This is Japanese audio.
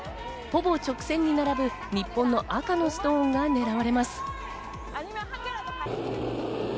ほぼ直線に並ぶ日本の赤のストーンがねらわれます。